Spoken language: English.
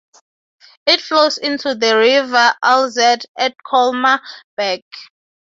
It flows into the river Alzette at Colmar-Berg.